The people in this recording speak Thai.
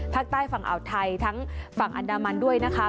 ภาคใต้ฝั่งอ่าวไทยทั้งฝั่งอันดามันด้วยนะคะ